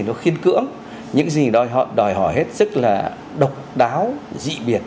nó khiên cưỡng những gì đòi hỏi hết sức là độc đáo dị biệt